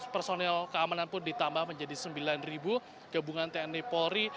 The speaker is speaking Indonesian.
personel keamanan pun ditambah menjadi sembilan gabungan tni polri